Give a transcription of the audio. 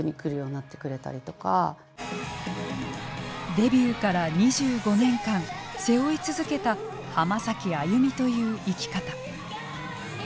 デビューから２５年間背負い続けた「浜崎あゆみ」という生き方。